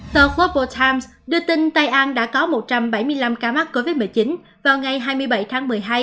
tờ copple times đưa tin tây an đã có một trăm bảy mươi năm ca mắc covid một mươi chín vào ngày hai mươi bảy tháng một mươi hai